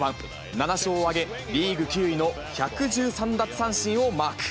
７勝を挙げ、リーグ９位の１１３奪三振をマーク。